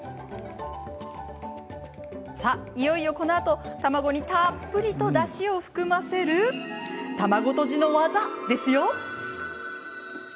さあ、いよいよこのあと卵にたっぷりとだしを含ませる卵とじの技ですよ。